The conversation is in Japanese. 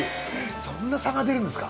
そんな差が出るんですか？